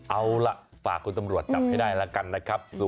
เอาล่ะฝากคุณตำรวจจับให้ได้แล้วกันนะครับ